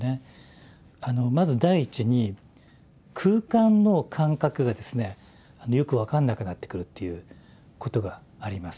まず第一に空間の感覚がですねよく分かんなくなってくるっていうことがあります。